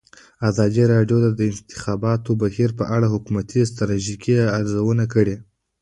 ازادي راډیو د د انتخاباتو بهیر په اړه د حکومتي ستراتیژۍ ارزونه کړې.